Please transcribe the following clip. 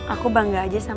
aku bangga aja sama ibu